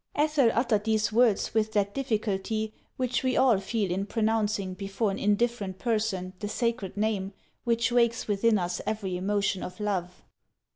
Ethel uttered these words with that difficulty which we all feel in pronouncing before an indifferent person the sacred name which wakes within us every emotion of love.